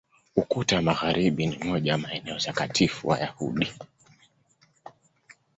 Ukuta wa Magharibi ni moja ya maeneo takatifu Wayahudi.